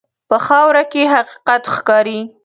په خاوره کې حقیقت ښکاري.